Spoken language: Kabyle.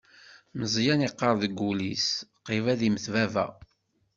Meẓyan yeqqar deg wul-is: Qrib ad immet baba.